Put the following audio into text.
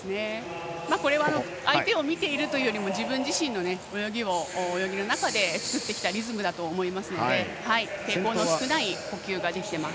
これは相手を見ているというよりも自分自身の泳ぎを泳ぎの中で作ってきたリズムだと思いますので抵抗の少ない呼吸ができています。